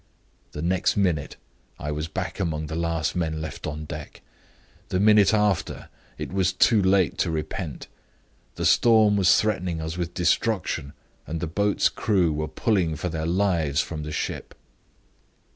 The next minute, I was back among the last men left on deck. The minute after, it was too late to repent. The storm was threatening us with destruction, and the boat's crew were pulling for their lives from the ship.